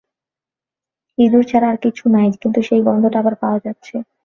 ইঁদুর ছাড়া আর কিছু নয়, কিন্তু সেই গন্ধটা আবার পাওয়া যাচ্ছে।